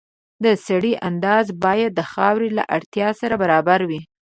د سرې اندازه باید د خاورې له اړتیا سره برابره وي.